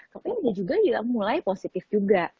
tapi dia juga mulai positif juga